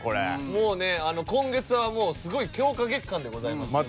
もうね今月はすごい強化月間でございますので。